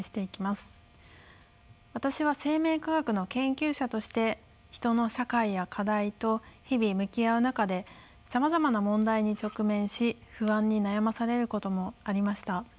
私は生命科学の研究者として人の社会や課題と日々向き合う中でさまざまな問題に直面し不安に悩まされることもありました。